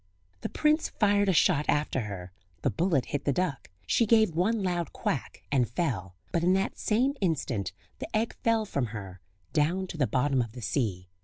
The prince fired a shot after her; the bullet hit the duck; she gave one loud quack, and fell; but in that same instant the egg fell from her down to the bottom of the sea.